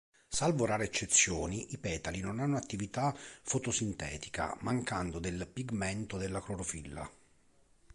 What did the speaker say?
Salvo rare eccezioni, i petali non hanno attività fotosintetica, mancando del pigmento della clorofilla.